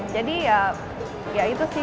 jadi ya ya itu sih